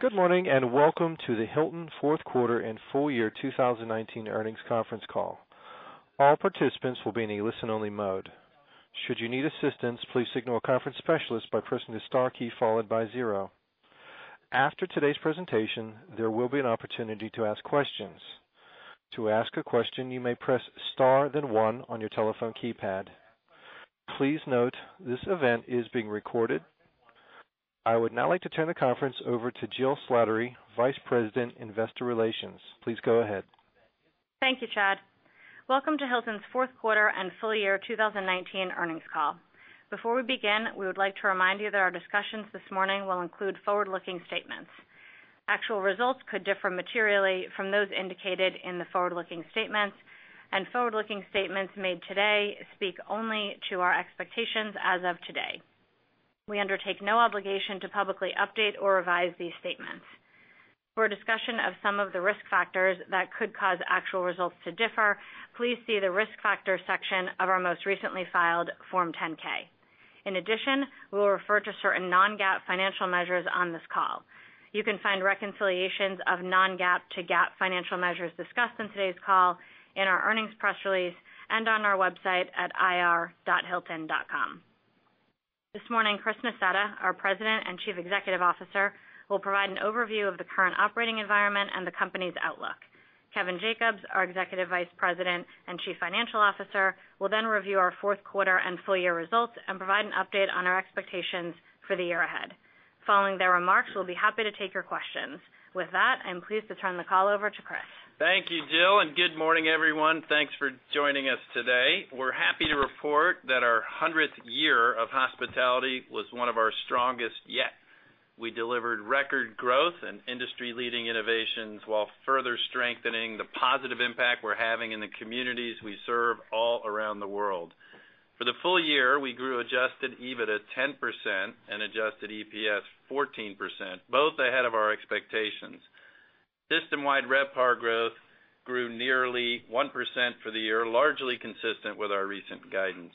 Good morning, and welcome to the Hilton fourth quarter and full year 2019 earnings conference call. All participants will be in a listen-only mode. Should you need assistance, please signal a conference specialist by pressing the star key followed by zero. After today's presentation, there will be an opportunity to ask questions. To ask a question, you may press star, then one on your telephone keypad. Please note, this event is being recorded. I would now like to turn the conference over to Jill Slattery, Vice President, Investor Relations. Please go ahead. Thank you, Chad. Welcome to Hilton's fourth quarter and full year 2019 earnings call. Before we begin, we would like to remind you that our discussions this morning will include forward-looking statements. Actual results could differ materially from those indicated in the forward-looking statements, and forward-looking statements made today speak only to our expectations as of today. We undertake no obligation to publicly update or revise these statements. For a discussion of some of the risk factors that could cause actual results to differ, please see the Risk Factors section of our most recently filed Form 10-K. In addition, we will refer to certain non-GAAP financial measures on this call. You can find reconciliations of non-GAAP to GAAP financial measures discussed on today's call in our earnings press release and on our website at ir.hilton.com. This morning, Chris Nassetta, our President and Chief Executive Officer, will provide an overview of the current operating environment and the company's outlook. Kevin Jacobs, our Executive Vice President and Chief Financial Officer, will then review our fourth quarter and full-year results and provide an update on our expectations for the year ahead. Following their remarks, we'll be happy to take your questions. With that, I'm pleased to turn the call over to Chris. Thank you, Jill. Good morning, everyone. Thanks for joining us today. We're happy to report that our 100th year of hospitality was one of our strongest yet. We delivered record growth and industry-leading innovations while further strengthening the positive impact we're having in the communities we serve all around the world. For the full year, we grew adjusted EBITDA 10% and adjusted EPS 14%, both ahead of our expectations. System-wide RevPAR growth grew nearly 1% for the year, largely consistent with our recent guidance.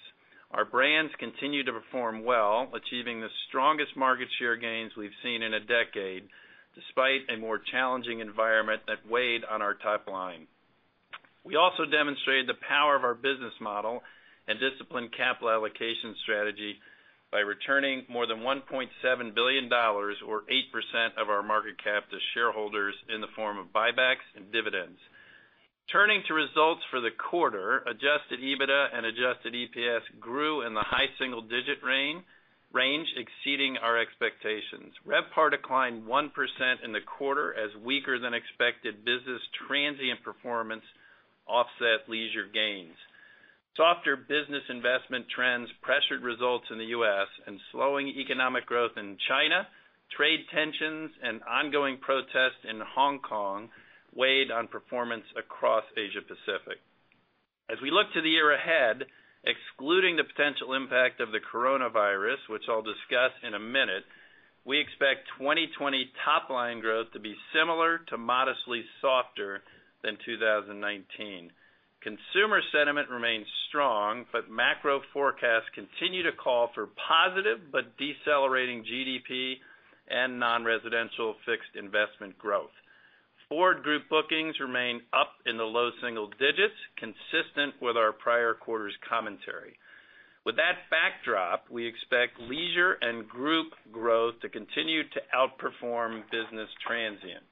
Our brands continue to perform well, achieving the strongest market share gains we've seen in a decade, despite a more challenging environment that weighed on our top line. We also demonstrated the power of our business model and disciplined capital allocation strategy by returning more than $1.7 billion, or 8% of our market cap, to shareholders in the form of buybacks and dividends. Turning to results for the quarter, adjusted EBITDA and adjusted EPS grew in the high single-digit range, exceeding our expectations. RevPAR declined 1% in the quarter as weaker-than-expected business transient performance offset leisure gains. Softer business investment trends pressured results in the U.S., and slowing economic growth in China, trade tensions, and ongoing protests in Hong Kong weighed on performance across Asia Pacific. As we look to the year ahead, excluding the potential impact of the coronavirus, which I'll discuss in a minute, we expect 2020 top-line growth to be similar to modestly softer than 2019. Consumer sentiment remains strong, but macro forecasts continue to call for positive but decelerating GDP and non-residential fixed investment growth. Forward group bookings remain up in the low single digits, consistent with our prior quarter's commentary. With that backdrop, we expect leisure and group growth to continue to outperform business transient.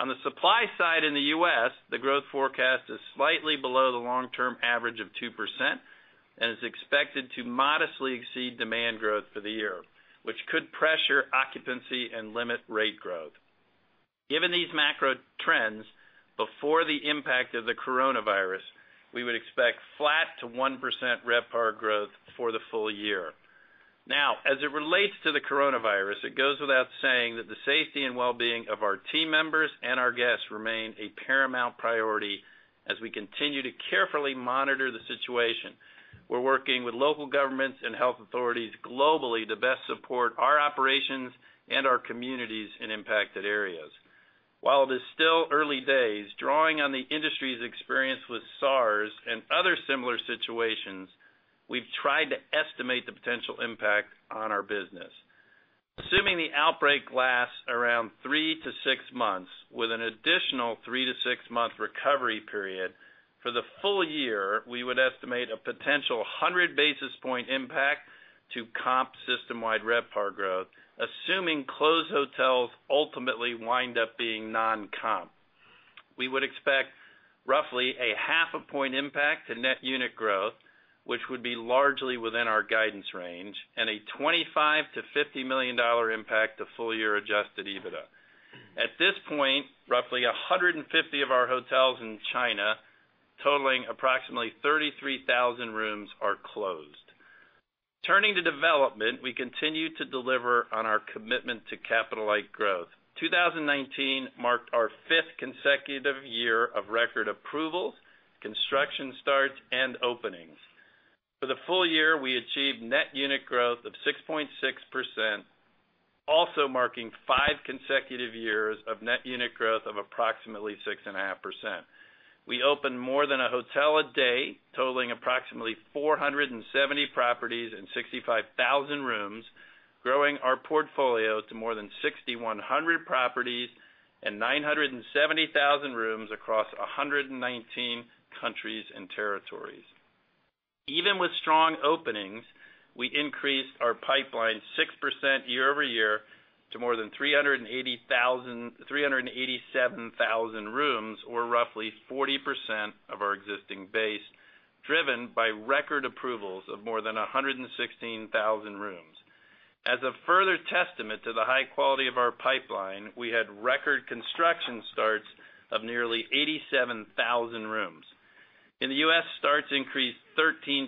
On the supply side in the U.S., the growth forecast is slightly below the long-term average of 2% and is expected to modestly exceed demand growth for the year, which could pressure occupancy and limit rate growth. Given these macro trends, before the impact of the coronavirus, we would expect flat to 1% RevPAR growth for the full year. As it relates to the coronavirus, it goes without saying that the safety and well-being of our team members and our guests remain a paramount priority as we continue to carefully monitor the situation. We're working with local governments and health authorities globally to best support our operations and our communities in impacted areas. While it is still early days, drawing on the industry's experience with SARS and other similar situations, we've tried to estimate the potential impact on our business. Assuming the outbreak lasts around three to six months, with an additional three to six-month recovery period, for the full year, we would estimate a potential 100-basis point impact to comp system-wide RevPAR growth, assuming closed hotels ultimately wind up being non-comp. We would expect roughly a half a point impact to net unit growth, which would be largely within our guidance range, and a $25-$50 million impact to full-year adjusted EBITDA. At this point, roughly 150 of our hotels in China, totaling approximately 33,000 rooms, are closed. Turning to development, we continue to deliver on our commitment to capital-light growth. 2019 marked our fifth consecutive year of record approvals, construction starts, and openings. For the full year, we achieved net unit growth of 6.6%, also marking five consecutive years of net unit growth of approximately 6.5%. We opened more than a hotel a day, totaling approximately 470 properties and 65,000 rooms, growing our portfolio to more than 6,100 properties and 970,000 rooms across 119 countries and territories. Even with strong openings, we increased our pipeline 6% year-over-year to more than 387,000 rooms, or roughly 40% of our existing base, driven by record approvals of more than 116,000 rooms. As a further testament to the high quality of our pipeline, we had record construction starts of nearly 87,000 rooms. In the U.S., starts increased 13%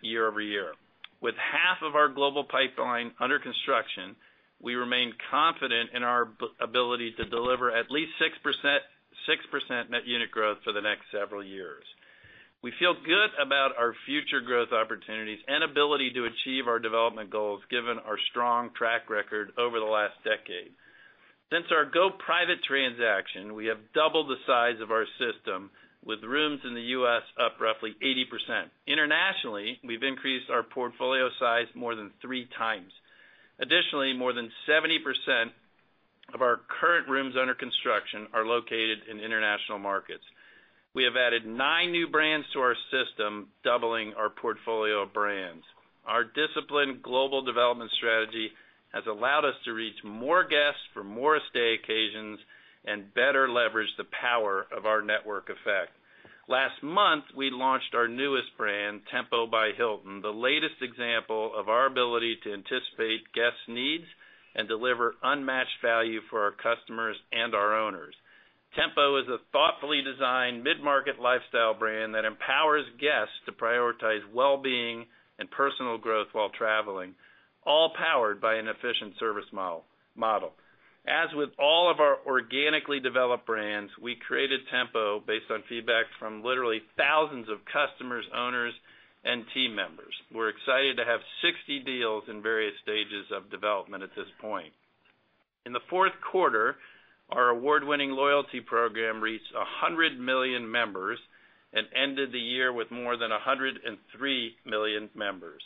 year-over-year. With half of our global pipeline under construction, we remain confident in our ability to deliver at least 6% net unit growth for the next several years. We feel good about our future growth opportunities and ability to achieve our development goals given our strong track record over the last decade. Since our go-private transaction, we have doubled the size of our system with rooms in the U.S. up roughly 80%. Internationally, we've increased our portfolio size more than three times. Additionally, more than 70% of our current rooms under construction are located in international markets. We have added nine new brands to our system, doubling our portfolio of brands. Our disciplined global development strategy has allowed us to reach more guests for more stay occasions and better leverage the power of our network effect. Last month, we launched our newest brand, Tempo by Hilton, the latest example of our ability to anticipate guests' needs and deliver unmatched value for our customers and our owners. Tempo is a thoughtfully designed mid-market lifestyle brand that empowers guests to prioritize wellbeing and personal growth while traveling, all powered by an efficient service model. As with all of our organically developed brands, we created Tempo based on feedback from literally thousands of customers, owners, and team members. We're excited to have 60 deals in various stages of development at this point. In the fourth quarter, our award-winning loyalty program reached 100 million members and ended the year with more than 103 million members.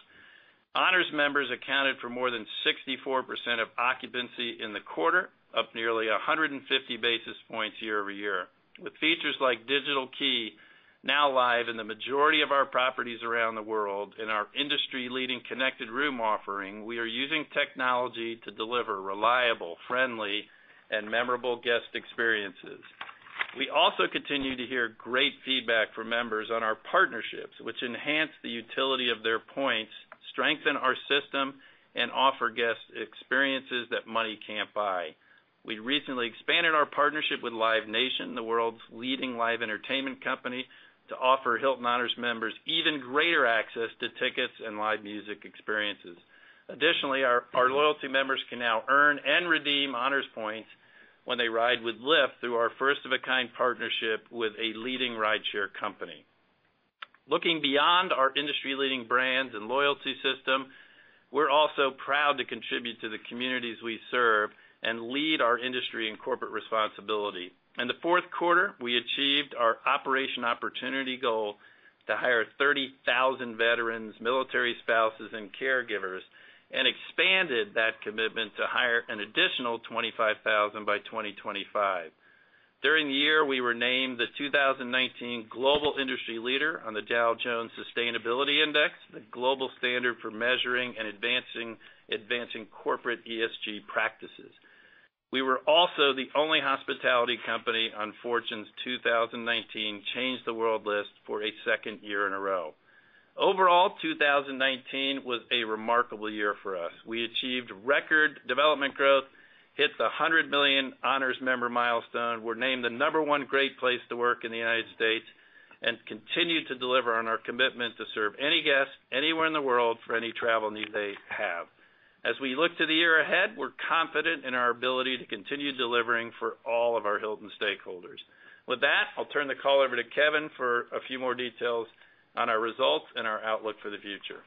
Honors members accounted for more than 64% of occupancy in the quarter, up nearly 150 basis points year-over-year. With features like Digital Key now live in the majority of our properties around the world, and our industry-leading Connected Room offering, we are using technology to deliver reliable, friendly, and memorable guest experiences. We also continue to hear great feedback from members on our partnerships, which enhance the utility of their points, strengthen our system, and offer guests experiences that money can't buy. We recently expanded our partnership with Live Nation, the world's leading live entertainment company, to offer Hilton Honors members even greater access to tickets and live music experiences. Additionally, our loyalty members can now earn and redeem Honors points when they ride with Lyft through our first-of-a-kind partnership with a leading rideshare company. Looking beyond our industry-leading brands and loyalty system, we're also proud to contribute to the communities we serve and lead our industry in corporate responsibility. In the fourth quarter, we achieved our Operation: opportunity goal to hire 30,000 veterans, military spouses, and caregivers, and expanded that commitment to hire an additional 25,000 by 2025. During the year, we were named the 2019 Global Industry Leader on the Dow Jones Sustainability Index, the global standard for measuring and advancing corporate ESG practices. We were also the only hospitality company on Fortune's 2019 Change the World list for a second year in a row. Overall, 2019 was a remarkable year for us. We achieved record development growth, hit the 100 million Honors member milestone, were named the number one great place to work in the United States, and continue to deliver on our commitment to serve any guest, anywhere in the world, for any travel need they have. As we look to the year ahead, we're confident in our ability to continue delivering for all of our Hilton stakeholders. With that, I'll turn the call over to Kevin for a few more details on our results and our outlook for the future.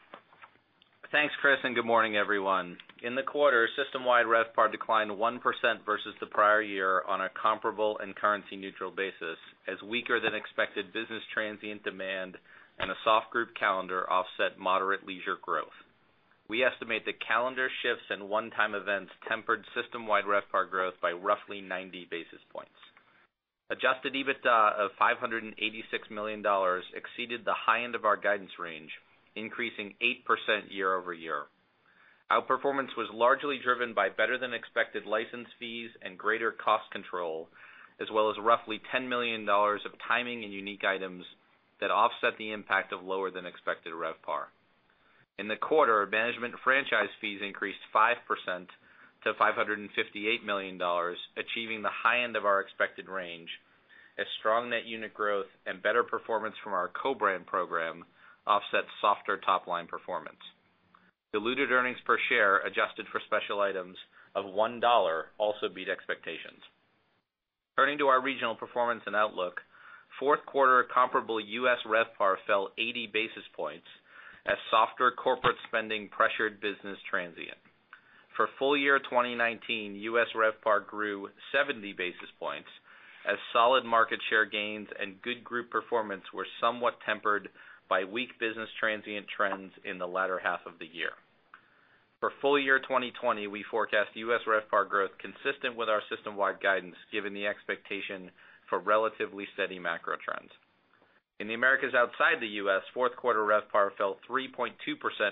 Thanks, Chris, and good morning, everyone. In the quarter, system-wide RevPAR declined 1% versus the prior year on a comparable and currency-neutral basis as weaker than expected business transient demand and a soft group calendar offset moderate leisure growth. We estimate that calendar shifts and one-time events tempered system-wide RevPAR growth by roughly 90 basis points. Adjusted EBITDA of $586 million exceeded the high end of our guidance range, increasing 8% year-over-year. Outperformance was largely driven by better than expected license fees and greater cost control, as well as roughly $10 million of timing and unique items that offset the impact of lower than expected RevPAR. In the quarter, management franchise fees increased 5% to $558 million, achieving the high end of our expected range as strong net unit growth and better performance from our co-brand program offset softer top-line performance. Diluted earnings per share adjusted for special items of $1 also beat expectations. Turning to our regional performance and outlook, fourth quarter comparable U.S. RevPAR fell 80 basis points as softer corporate spending pressured business transient. For full year 2019, U.S. RevPAR grew 70 basis points as solid market share gains and good group performance were somewhat tempered by weak business transient trends in the latter half of the year. For full year 2020, we forecast U.S. RevPAR growth consistent with our system-wide guidance, given the expectation for relatively steady macro trends. In the Americas outside the U.S., fourth quarter RevPAR fell 3.2%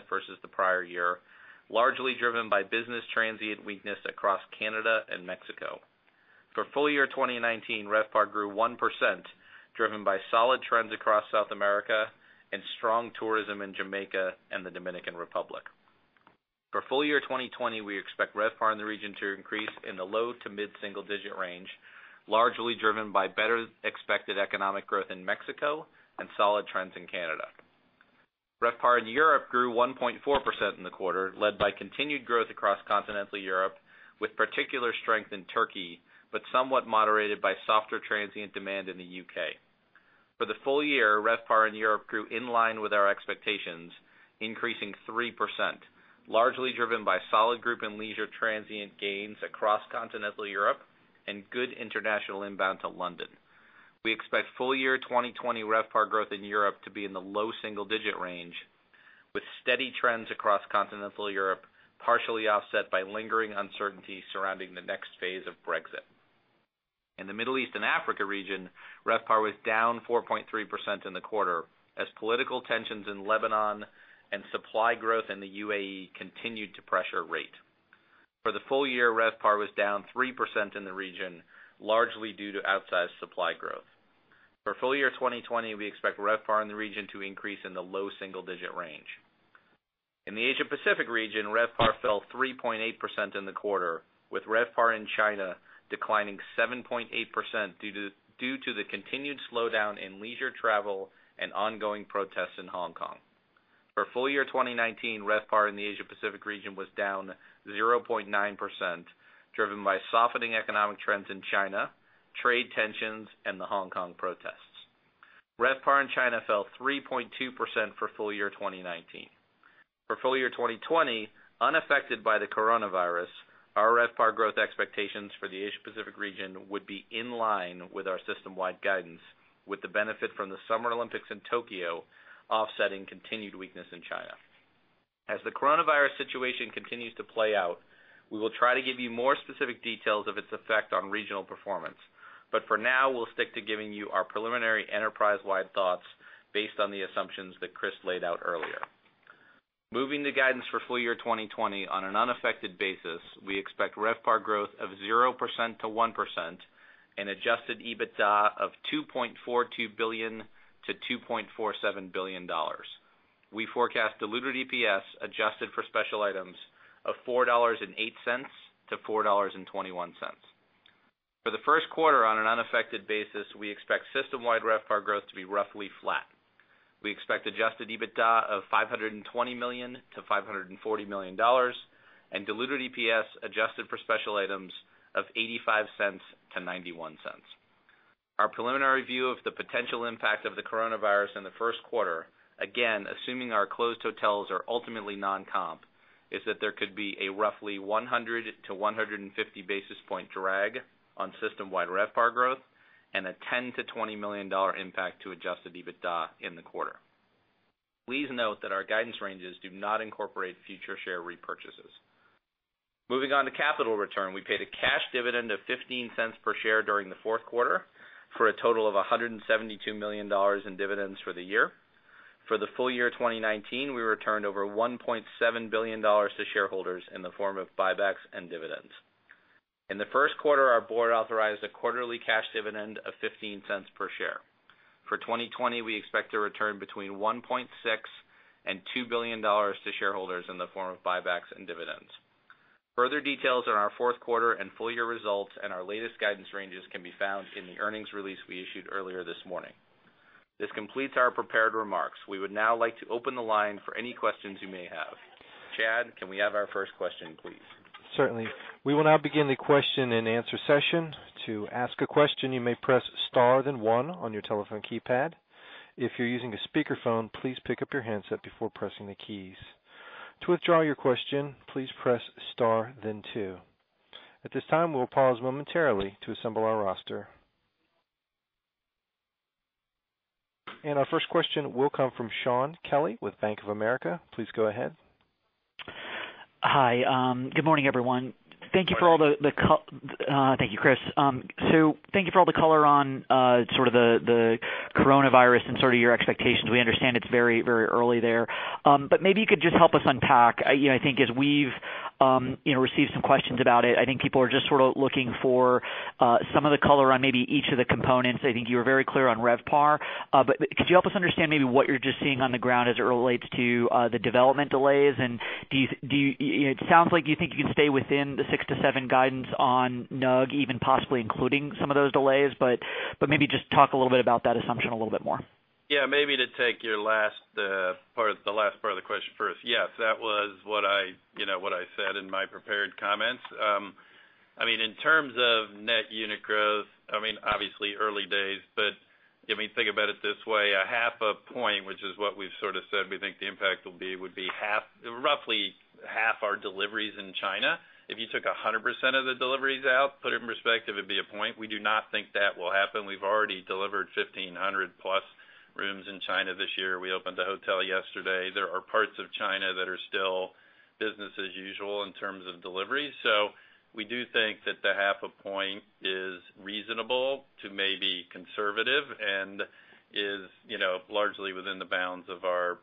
versus the prior year, largely driven by business transient weakness across Canada and Mexico. For full year 2019, RevPAR grew 1%, driven by solid trends across South America and strong tourism in Jamaica and the Dominican Republic. For full year 2020, we expect RevPAR in the region to increase in the low-to-mid-single-digit range, largely driven by better expected economic growth in Mexico and solid trends in Canada. RevPAR in Europe grew 1.4% in the quarter, led by continued growth across continental Europe, with particular strength in Turkey, but somewhat moderated by softer transient demand in the U.K. For the full year, RevPAR in Europe grew in line with our expectations, increasing 3%, largely driven by solid group and leisure transient gains across continental Europe and good international inbound to London. We expect full year 2020 RevPAR growth in Europe to be in the low-single-digit range, with steady trends across continental Europe, partially offset by lingering uncertainty surrounding the next phase of Brexit. In the Middle East and Africa region, RevPAR was down 4.3% in the quarter as political tensions in Lebanon and supply growth in the UAE continued to pressure rate. For the full year, RevPAR was down 3% in the region, largely due to outsized supply growth. For full year 2020, we expect RevPAR in the region to increase in the low single-digit range. In the Asia-Pacific region, RevPAR fell 3.8% in the quarter, with RevPAR in China declining 7.8% due to the continued slowdown in leisure travel and ongoing protests in Hong Kong. For full year 2019, RevPAR in the Asia-Pacific region was down 0.9%, driven by softening economic trends in China, trade tensions, and the Hong Kong protests. RevPAR in China fell 3.2% for full year 2019. For full year 2020, unaffected by the coronavirus, our RevPAR growth expectations for the Asia-Pacific region would be in line with our system-wide guidance, with the benefit from the Summer Olympics in Tokyo offsetting continued weakness in China. As the coronavirus situation continues to play out, we will try to give you more specific details of its effect on regional performance. For now, we'll stick to giving you our preliminary enterprise-wide thoughts based on the assumptions that Chris laid out earlier. Moving to guidance for full year 2020, on an unaffected basis, we expect RevPAR growth of 0%-1% and adjusted EBITDA of $2.42 billion-$2.47 billion. We forecast diluted EPS adjusted for special items of $4.08-$4.21. For the first quarter on an unaffected basis, we expect system-wide RevPAR growth to be roughly flat. We expect adjusted EBITDA of $520 million to $540 million and diluted EPS adjusted for special items of $0.85 to $0.91. Our preliminary view of the potential impact of the coronavirus in the first quarter, again, assuming our closed hotels are ultimately non-comp, is that there could be a roughly 100-150 basis point drag on system-wide RevPAR growth and a $10 million-$20 million impact to adjusted EBITDA in the quarter. Please note that our guidance ranges do not incorporate future share repurchases. Moving on to capital return. We paid a cash dividend of $0.15 per share during the fourth quarter, for a total of $172 million in dividends for the year. For the full year 2019, we returned over $1.7 billion to shareholders in the form of buybacks and dividends. In the first quarter, our board authorized a quarterly cash dividend of $0.15 per share. For 2020, we expect to return between $1.6 billion and $2 billion to shareholders in the form of buybacks and dividends. Further details on our fourth quarter and full-year results and our latest guidance ranges can be found in the earnings release we issued earlier this morning. This completes our prepared remarks. We would now like to open the line for any questions you may have. Chad, can we have our first question, please? Certainly. We will now begin the question and answer session. To ask a question, you may press star then one on your telephone keypad. If you are using a speakerphone, please pick up your handset before pressing the keys. To withdraw your question, please press star then two. At this time, we will pause momentarily to assemble our roster. Our first question will come from Shaun Kelley with Bank of America. Please go ahead. Hi. Good morning, everyone. Thank you, Chris. Thank you for all the color on sort of the coronavirus and sort of your expectations. We understand it's very early there. Maybe you could just help us unpack. I think as we've received some questions about it, I think people are just sort of looking for some of the color on maybe each of the components. I think you were very clear on RevPAR. Could you help us understand maybe what you're just seeing on the ground as it relates to the development delays? It sounds like you think you can stay within the six to seven guidance on NUG, even possibly including some of those delays, maybe just talk a little bit about that assumption a little bit more. Yeah, maybe to take the last part of the question first. Yes, that was what I said in my prepared comments. In terms of net unit growth, obviously early days, but I mean, think about it this way, a half a point, which is what we've sort of said we think the impact will be, would be roughly half our deliveries in China. If you took 100% of the deliveries out, put it in perspective, it'd be a point. We do not think that will happen. We've already delivered 1,500+ rooms in China this year. We opened a hotel yesterday. There are parts of China that are still business as usual in terms of delivery. We do think that the half a point is reasonable to maybe conservative and is largely within the bounds of our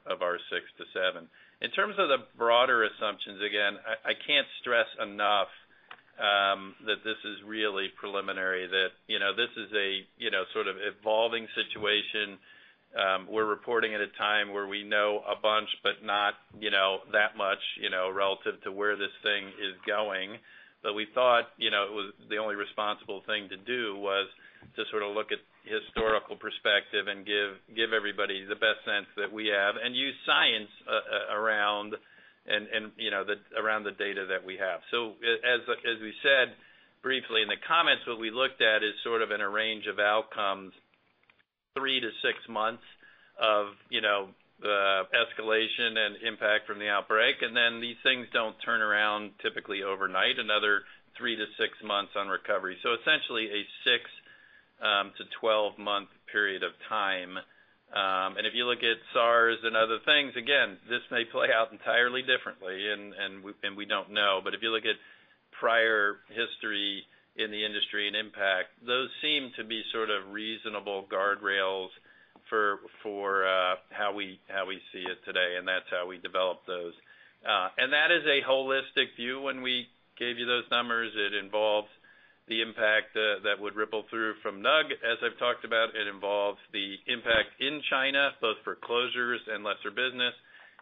six to seven. In terms of the broader assumptions, again, I can't stress enough, that this is really preliminary, that this is a sort of evolving situation. We're reporting at a time where we know a bunch, but not that much, relative to where this thing is going. We thought, the only responsible thing to do was to sort of look at historical perspective and give everybody the best sense that we have and use science around the data that we have. As we said briefly in the comments, what we looked at is sort of in a range of outcomes, three to six months of the escalation and impact from the outbreak. These things don't turn around typically overnight, another three to six months on recovery. Essentially, a 6 to 12-month period of time. If you look at SARS and other things, again, this may play out entirely differently, and we don't know, but if you look at prior history in the industry and impact, those seem to be sort of reasonable guardrails for how we see it today, and that's how we develop those. That is a holistic view when we gave you those numbers. It involves the impact that would ripple through from NUG, as I've talked about. It involves the impact in China, both for closures and lesser business.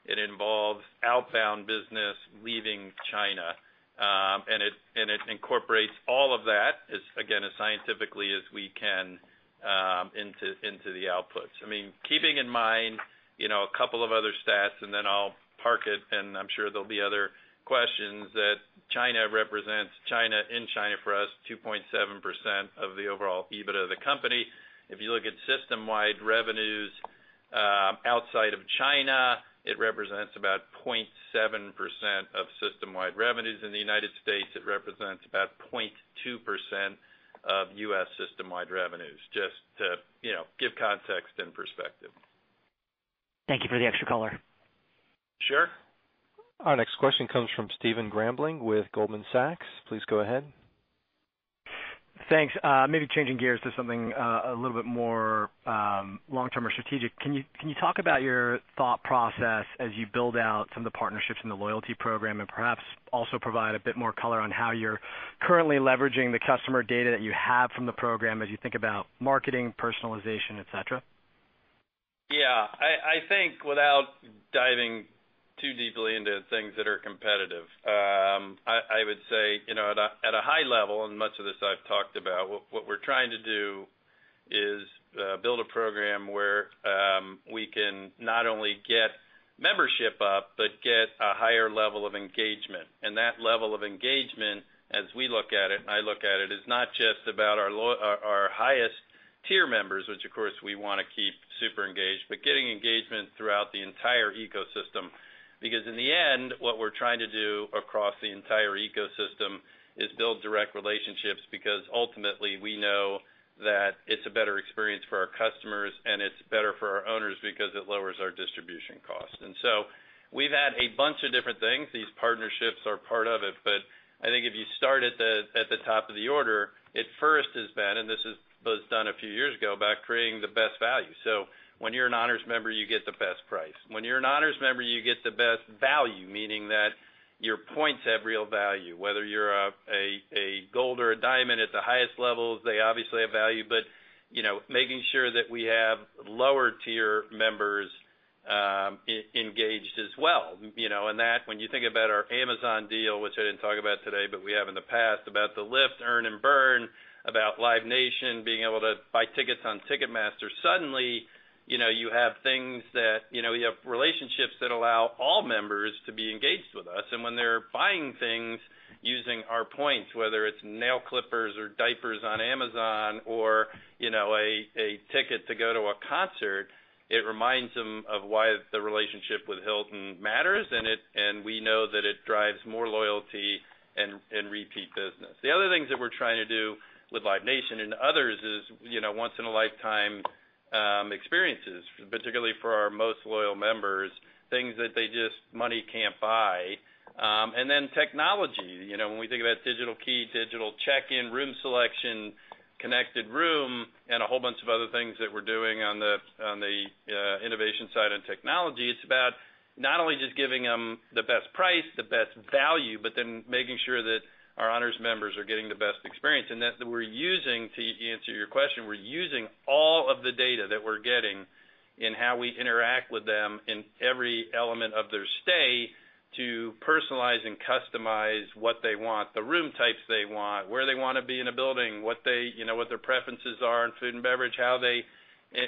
It involves outbound business leaving China. It incorporates all of that as, again, as scientifically as we can, into the outputs. I mean, keeping in mind, a couple of other stats, then I'll park it, and I'm sure there'll be other questions that China represents. China, in China for us, 2.7% of the overall EBITDA of the company. If you look at system-wide revenues, outside of China, it represents about 0.7% of system-wide revenues in the United States. It represents about 0.2% of U.S. system-wide revenues, just to give context and perspective. Thank you for the extra color. Sure. Our next question comes from Stephen Grambling with Goldman Sachs. Please go ahead. Thanks. Maybe changing gears to something a little bit more long-term or strategic. Can you talk about your thought process as you build out some of the partnerships in the loyalty program? Perhaps also provide a bit more color on how you're currently leveraging the customer data that you have from the program as you think about marketing, personalization, et cetera? Yeah. I think without diving too deeply into things that are competitive, I would say, at a high level, and much of this I've talked about, what we're trying to do is build a program where we can not only get membership up but get a higher level of engagement. That level of engagement, as we look at it, and I look at it, is not just about our highest tier members, which of course we want to keep super engaged, but getting engagement throughout the entire ecosystem. In the end, what we're trying to do across the entire ecosystem is build direct relationships because ultimately we know that it's a better experience for our customers and it's better for our owners because it lowers our distribution costs. We've had a bunch of different things. These partnerships are part of it, I think if you start at the top of the order, it first has been, and this was done a few years ago, about creating the best value. When you're an Honors member, you get the best price. When you're an Honors member, you get the best value, meaning that your points have real value. Whether you're a gold or a diamond at the highest levels, they obviously have value, making sure that we have lower-tier members, engaged as well. That, when you think about our Amazon deal, which I didn't talk about today, but we have in the past, about the Lyft, Earn and Burn, about Live Nation, being able to buy tickets on Ticketmaster. Suddenly, you have relationships that allow all members to be engaged with us. When they're buying things using our points, whether it's nail clippers or diapers on Amazon or a ticket to go to a concert, it reminds them of why the relationship with Hilton matters, and we know that it drives more loyalty and repeat business. The other things that we're trying to do with Live Nation and others is once in a lifetime experiences, particularly for our most loyal members, things that just money can't buy. Technology. When we think about Digital Key, digital check-in, room selection, Connected Room, and a whole bunch of other things that we're doing on the innovation side and technology, it's about not only just giving them the best price, the best value, but then making sure that our Honors members are getting the best experience. That we're using, to answer your question, we're using all of the data that we're getting in how we interact with them in every element of their stay to personalize and customize what they want, the room types they want, where they want to be in a building, what their preferences are in food and beverage, how they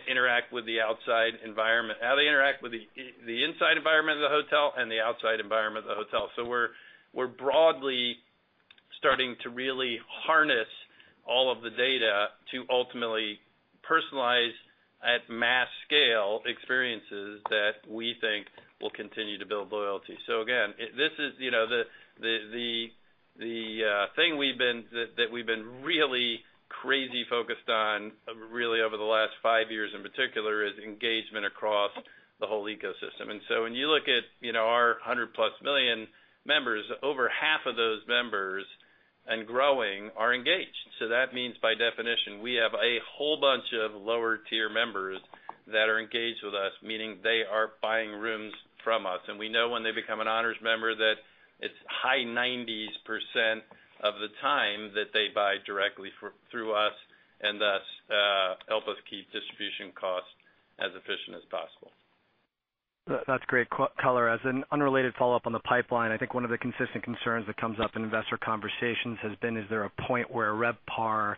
interact with the outside environment, how they interact with the inside environment of the hotel and the outside environment of the hotel. We're broadly starting to really harness all of the data to ultimately personalize at mass scale experiences that we think will continue to build loyalty. Again, the thing that we've been really crazy focused on, really over the last five years in particular, is engagement across the whole ecosystem. When you look at our 100+ million members, over half of those members, and growing, are engaged. That means, by definition, we have a whole bunch of lower-tier members that are engaged with us, meaning they are buying rooms from us. We know when they become an Honors member, that it's high 90s% of the time that they buy directly through us, and thus help us keep distribution costs as efficient as possible. That's great color. As an unrelated follow-up on the pipeline, I think one of the consistent concerns that comes up in investor conversations has been, is there a point where RevPAR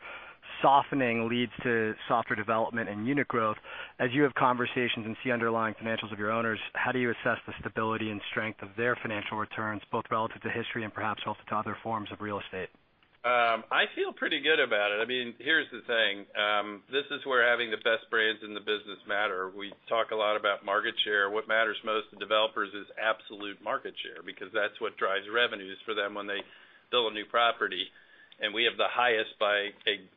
softening leads to softer development and unit growth? As you have conversations and see underlying financials of your owners, how do you assess the stability and strength of their financial returns, both relative to history and perhaps relative to other forms of real estate? I feel pretty good about it. Here's the thing. This is where having the best brands in the business matter. We talk a lot about market share. What matters most to developers is absolute market share, because that's what drives revenues for them when they build a new property. We have the highest by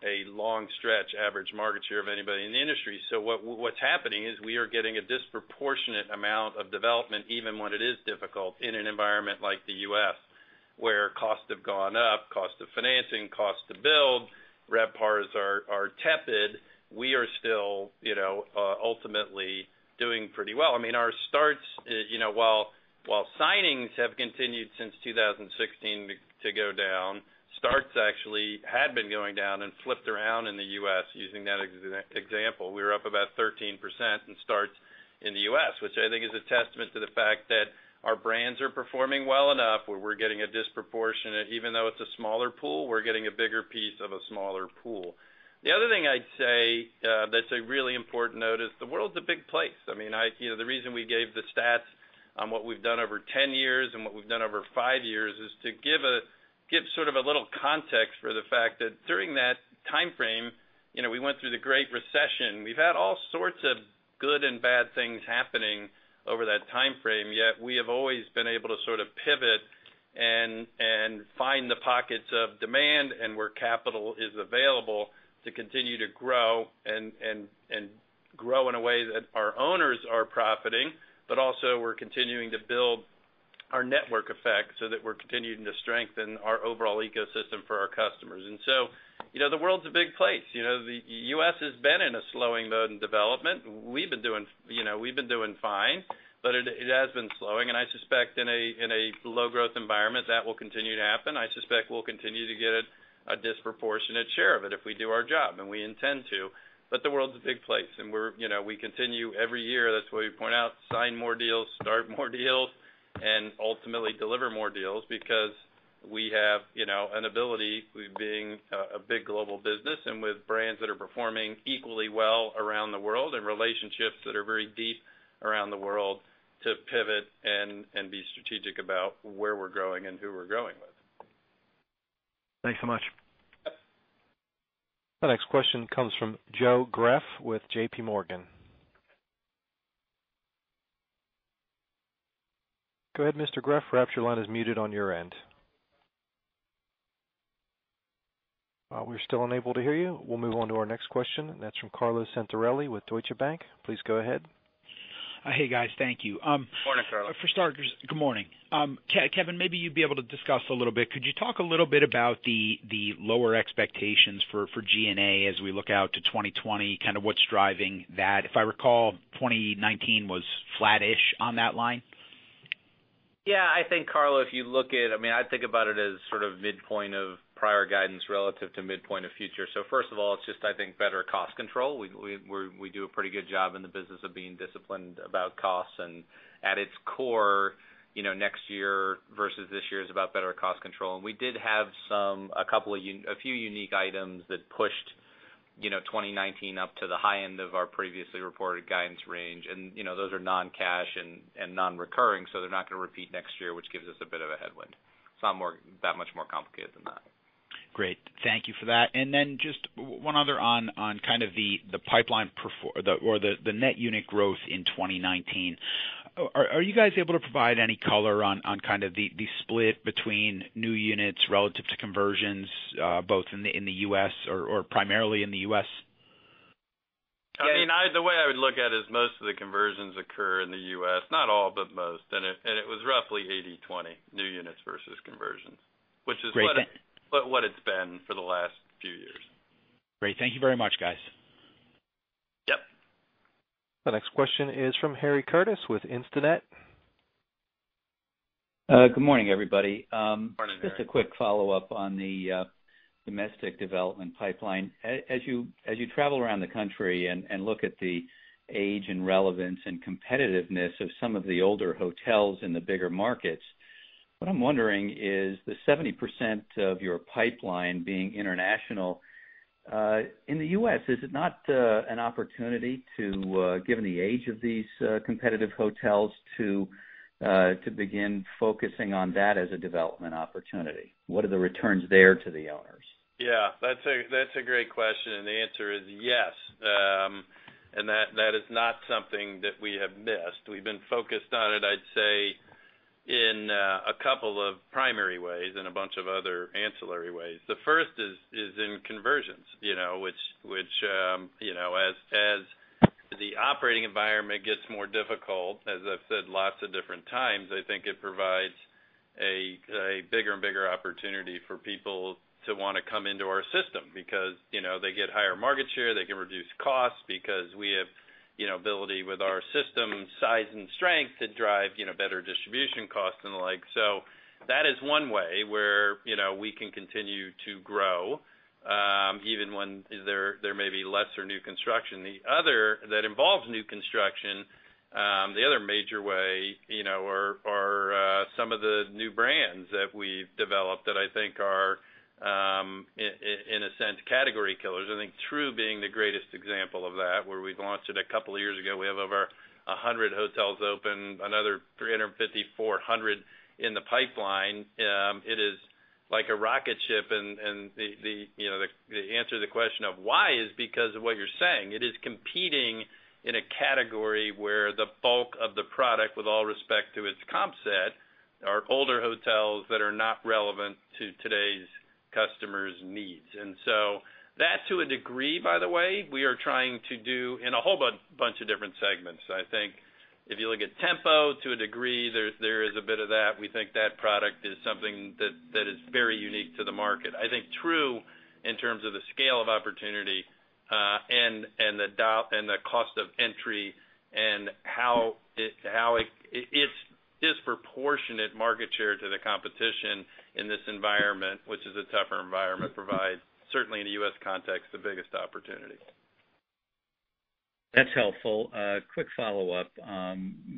a long stretch average market share of anybody in the industry. What's happening is we are getting a disproportionate amount of development, even when it is difficult in an environment like the U.S., where costs have gone up, costs to financing, costs to build, RevPARs are tepid. We are still ultimately doing pretty well. While signings have continued since 2016 to go down, starts actually had been going down and flipped around in the U.S., using that example. We were up about 13% in starts in the U.S., which I think is a testament to the fact that our brands are performing well enough, where we're getting a disproportionate, even though it's a smaller pool, we're getting a bigger piece of a smaller pool. The other thing I'd say that's a really important note is the world's a big place. The reason we gave the stats on what we've done over ten years and what we've done over five years is to give sort of a little context for the fact that during that timeframe, we went through the Great Recession. We've had all sorts of good and bad things happening over that timeframe, yet we have always been able to sort of pivot and find the pockets of demand and where capital is available to continue to grow and grow in a way that our owners are profiting. We're continuing to build our network effect so that we're continuing to strengthen our overall ecosystem for our customers. The world's a big place. The U.S. has been in a slowing mode in development. We've been doing fine, but it has been slowing, and I suspect in a low growth environment, that will continue to happen. I suspect we'll continue to get a disproportionate share of it if we do our job, and we intend to. The world's a big place, and we continue every year, that's why we point out, sign more deals, start more deals, and ultimately deliver more deals because we have an ability, with being a big global business and with brands that are performing equally well around the world, and relationships that are very deep around the world, to pivot and be strategic about where we're growing and who we're growing with. Thanks so much. Yep. The next question comes from Joe Greff with JPMorgan. Go ahead, Mr. Greff. Perhaps your line is muted on your end. We're still unable to hear you. We'll move on to our next question, and that's from Carlo Santarelli with Deutsche Bank. Please go ahead. Hey, guys. Thank you. Morning, Carlo. For starters, good morning. Kevin, maybe you'd be able to discuss a little bit. Could you talk a little bit about the lower expectations for G&A as we look out to 2020, kind of what's driving that? If I recall, 2019 was flat-ish on that line. Yeah, I think Carlo, I think about it as sort of midpoint of prior guidance relative to midpoint of future. First of all, it's just I think better cost control. We do a pretty good job in the business of being disciplined about costs, and at its core, next year versus this year is about better cost control. We did have a few unique items that pushed 2019 up to the high end of our previously reported guidance range. Those are non-cash and non-recurring, so they're not going to repeat next year, which gives us a bit of a headwind. It's not that much more complicated than that. Great. Thank you for that. Just one other on kind of the pipeline or the net unit growth in 2019. Are you guys able to provide any color on kind of the split between new units relative to conversions both in the U.S. or primarily in the U.S.? The way I would look at it is most of the conversions occur in the U.S. Not all, but most, and it was roughly 80/20 new units versus conversions, which is what it's been for the last few years. Great. Thank you very much, guys. Yep. The next question is from Harry Curtis with Instinet. Good morning, everybody. Morning, Harry. Just a quick follow-up on the domestic development pipeline. As you travel around the country and look at the age and relevance and competitiveness of some of the older hotels in the bigger markets, what I'm wondering is the 70% of your pipeline being international in the U.S., is it not an opportunity to, given the age of these competitive hotels, to begin focusing on that as a development opportunity? What are the returns there to the owners? Yeah, that's a great question. The answer is yes. That is not something that we have missed. We've been focused on it, I'd say, in a couple of primary ways and a bunch of other ancillary ways. The first is in conversions, which as the operating environment gets more difficult, as I've said lots of different times, I think it provides a bigger and bigger opportunity for people to want to come into our system because they get higher market share. They can reduce costs because we have ability with our system size and strength to drive better distribution costs and the like. That is one way where we can continue to grow, even when there may be lesser new construction. The other that involves new construction, the other major way, are some of the new brands that we've developed that I think are, in a sense, category killers. I think Tru being the greatest example of that, where we've launched it a couple of years ago. We have over 100 hotels open, another 350, 400 in the pipeline. It is like a rocket ship, and the answer to the question of why is because of what you're saying. It is competing in a category where the bulk of the product, with all respect to its comp set, are older hotels that are not relevant to today's customers' needs. That, to a degree, by the way, we are trying to do in a whole bunch of different segments. I think if you look at Tempo, to a degree, there is a bit of that. We think that product is something that is very unique to the market. I think Tru, in terms of the scale of opportunity, and the cost of entry and how its disproportionate market share to the competition in this environment, which is a tougher environment, provides, certainly in the U.S. context, the biggest opportunity. That's helpful. A quick follow-up,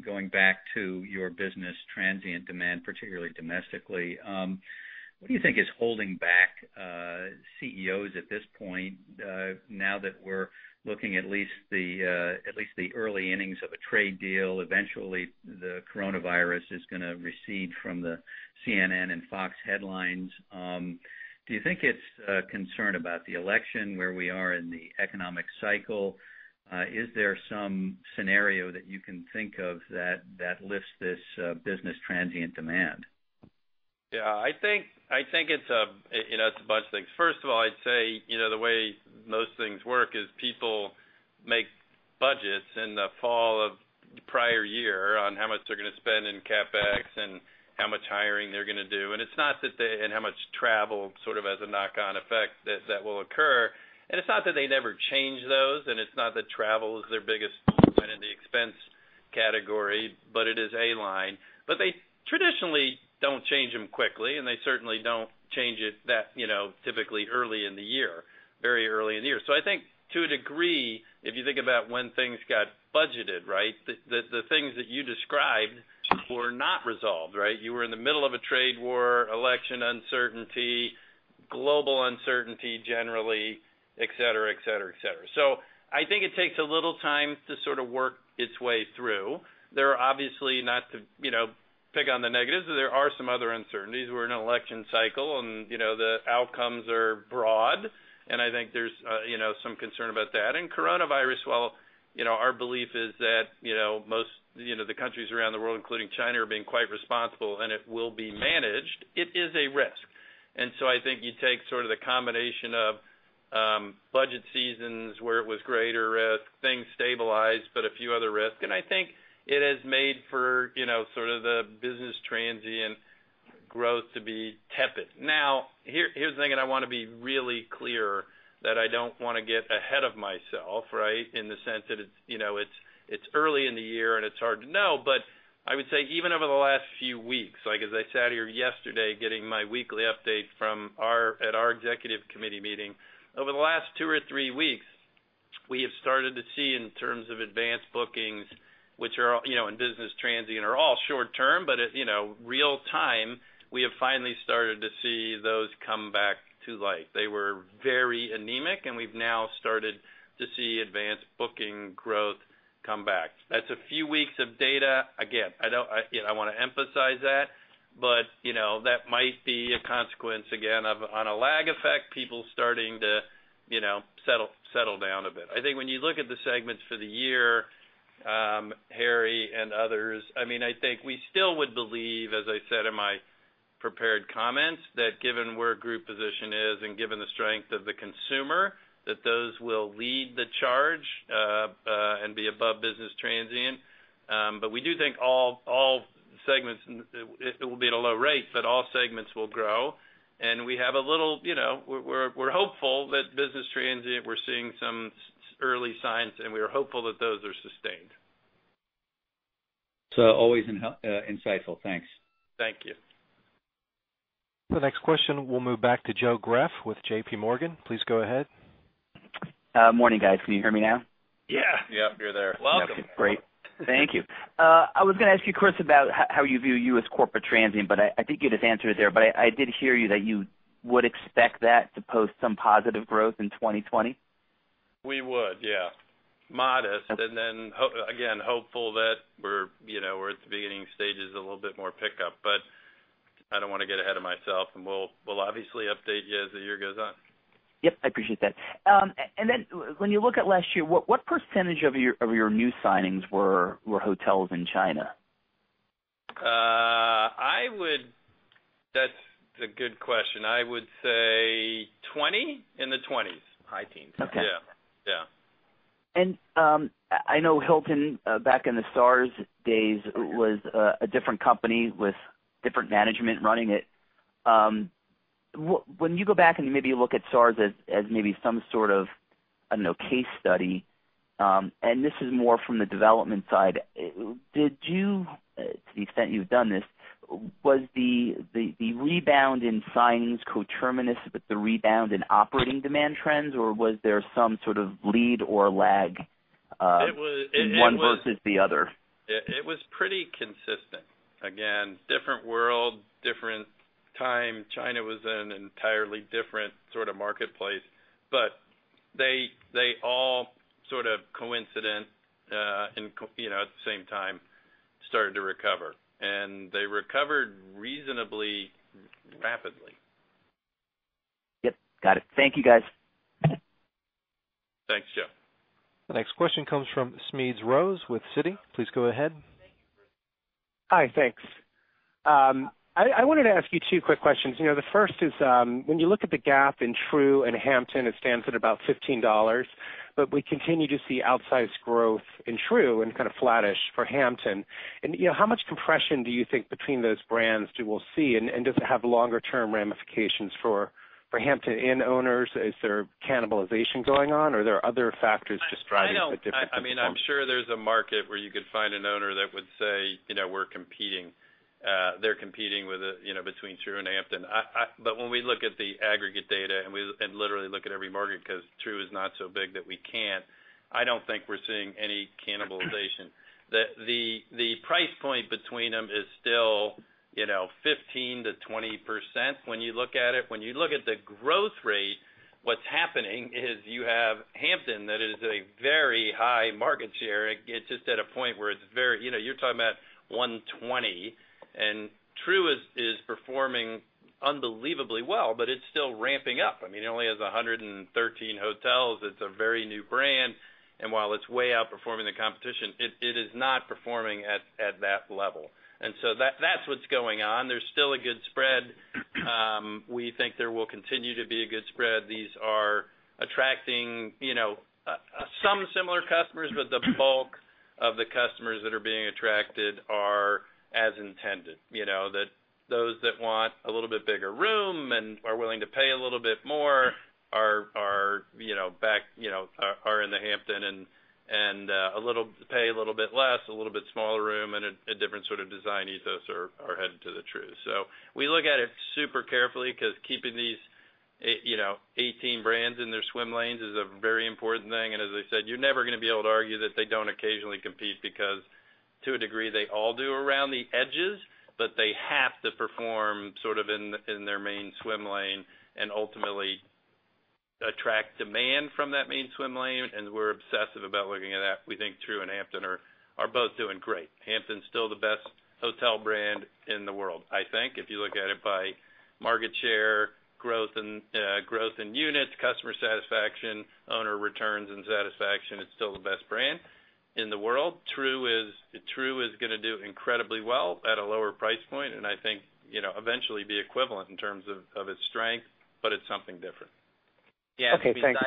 going back to your business transient demand, particularly domestically. What do you think is holding back CEOs at this point, now that we're looking at least the early innings of a trade deal? Eventually, the coronavirus is going to recede from the CNN and Fox headlines. Do you think it's a concern about the election, where we are in the economic cycle? Is there some scenario that you can think of that lifts this business transient demand? Yeah, I think it's a bunch of things. First of all, I'd say the way most things work is people make budgets in the fall of the prior year on how much they're going to spend in CapEx and how much hiring they're going to do. How much travel sort of as a knock-on effect that will occur. It's not that they never change those, and it's not that travel is their biggest component in the expense category, but it is a line. They traditionally don't change them quickly, and they certainly don't change it that typically early in the year, very early in the year. I think to a degree, if you think about when things got budgeted, the things that you described were not resolved. You were in the middle of a trade war, election uncertainty, global uncertainty, generally, et cetera. I think it takes a little time to sort of work its way through. Not to pick on the negatives, but there are some other uncertainties. We're in an election cycle, and the outcomes are broad, and I think there's some concern about that. Coronavirus, well, our belief is that most of the countries around the world, including China, are being quite responsible, and it will be managed. It is a risk. I think you take sort of the combination of budget seasons where it was greater risk, things stabilized, but a few other risks, and I think it has made for sort of the business transient growth to be tepid. Here's the thing. I want to be really clear that I don't want to get ahead of myself in the sense that it's early in the year, it's hard to know. I would say even over the last few weeks, like as I sat here yesterday getting my weekly update at our Executive Committee Meeting. Over the last two or three weeks, we have started to see in terms of advanced bookings, which are in business transient, are all short-term, real-time, we have finally started to see those come back to life. They were very anemic. We've now started to see advanced booking growth come back. That's a few weeks of data. Again, I want to emphasize that. That might be a consequence, again, of on a lag effect, people starting to settle down a bit. I think when you look at the segments for the year, Harry and others, I think we still would believe, as I said in my prepared comments, that given where group position is and given the strength of the consumer, that those will lead the charge and be above business transient. We do think it will be at a low rate, but all segments will grow. We're hopeful that business transient, we're seeing some early signs, and we are hopeful that those are sustained. Always insightful. Thanks. Thank you. The next question will move back to Joe Greff with JPMorgan. Please go ahead. Morning, guys. Can you hear me now? Yeah. Yep. You're there. Welcome. Great. Thank you. I was going to ask you, Chris, about how you view U.S. corporate transient, but I think you just answered it there. I did hear you that you would expect that to post some positive growth in 2020? We would, yeah. Modest. Okay. Again, hopeful that we're at the beginning stages of a little bit more pickup, but I don't want to get ahead of myself. We'll obviously update you as the year goes on. Yep, I appreciate that. When you look at last year, what percentage of your new signings were hotels in China? That's a good question. I would say 20%? In the 20s. High teens. Okay. Yeah. I know Hilton, back in the SARS days, was a different company with different management running it. When you go back and maybe look at SARS as maybe some sort of, I don't know, case study, and this is more from the development side, did you, to the extent you've done this, was the rebound in signings coterminous with the rebound in operating demand trends, or was there some sort of lead or lag? It was- in one versus the other? It was pretty consistent. Different world, different time. China was an entirely different sort of marketplace. They all sort of coincident, at the same time, started to recover. They recovered reasonably rapidly. Yep. Got it. Thank you, guys. Thanks, Joe. The next question comes from Smedes Rose with Citi. Please go ahead. Hi. Thanks. I wanted to ask you two quick questions. The first is, when you look at the gap in Tru and Hampton, it stands at about $15. We continue to see outsized growth in Tru and kind of flattish for Hampton. How much compression do you think between those brands we'll see, and does it have longer term ramifications for Hampton Inn owners? Is there cannibalization going on, or are there other factors just driving the difference in performance? I'm sure there's a market where you could find an owner that would say they're competing between Tru and Hampton. When we look at the aggregate data, and literally look at every market, because Tru is not so big that we can't, I don't think we're seeing any cannibalization. The price point between them is still 15%-20% when you look at it. When you look at the growth rate, what's happening is you have Hampton that is a very high market share. It's just at a point where you're talking about 120, and Tru is performing unbelievably well, but it's still ramping up. It only has 113 hotels. It's a very new brand, and while it's way outperforming the competition, it is not performing at that level. That's what's going on. There's still a good spread. We think there will continue to be a good spread. These are attracting some similar customers. The bulk of the customers that are being attracted are as intended. Those that want a little bit bigger room and are willing to pay a little bit more are in the Hampton, and pay a little bit less, a little bit smaller room, and a different sort of design ethos are headed to the Tru. We look at it super carefully because keeping these 18 brands in their swim lanes is a very important thing, and as I said, you're never going to be able to argue that they don't occasionally compete, because to a degree, they all do around the edges. They have to perform sort of in their main swim lane and ultimately attract demand from that main swim lane, and we're obsessive about looking at that. We think Tru and Hampton are both doing great. Hampton's still the best hotel brand in the world, I think. If you look at it by market share, growth in units, customer satisfaction, owner returns and satisfaction, it's still the best brand in the world. Tru is going to do incredibly well at a lower price point, and I think, eventually be equivalent in terms of its strength, but it's something different. Okay, thanks.